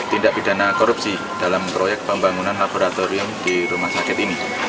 tindak pidana korupsi dalam proyek pembangunan laboratorium di rumah sakit ini